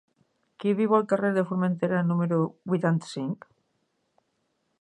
Qui viu al carrer de Formentera número vuitanta-cinc?